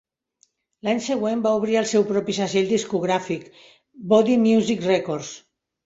L'any següent, va obrir el seu propi segell discogràfic, Body Music Records.